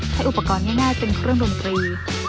ใช้อุปกรณ์ง่ายเป็นเครื่องดนตรี